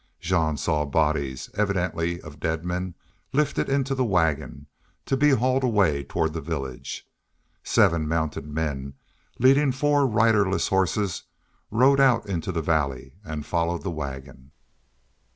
Jean saw bodies, evidently of dead men, lifted into the wagon, to be hauled away toward the village. Seven mounted men, leading four riderless horses, rode out into the valley and followed the wagon.